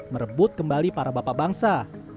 merebut kembali para bapak bangsa